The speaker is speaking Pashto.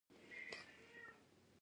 ژمی د افغانانو د ژوند طرز اغېزمنوي.